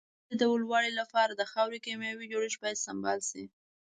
د حاصل د لوړوالي لپاره د خاورې کيمیاوي جوړښت باید سمبال شي.